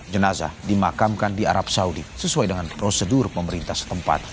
jenazah dimakamkan di arab saudi sesuai dengan prosedur pemerintah setempat